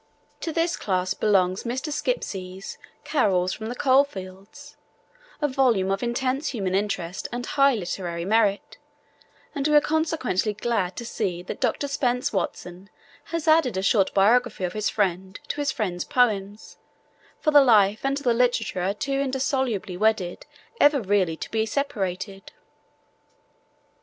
To this class belongs Mr. Skipsey's Carols from the Coal Fields, a volume of intense human interest and high literary merit, and we are consequently glad to see that Dr. Spence Watson has added a short biography of his friend to his friend's poems, for the life and the literature are too indissolubly wedded ever really to be separated.